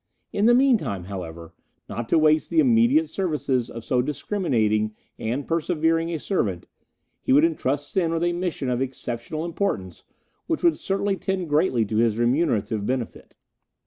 In the meantime, however, not to waste the immediate services of so discriminating and persevering a servant, he would entrust Sen with a mission of exceptional importance, which would certainly tend greatly to his remunerative benefit.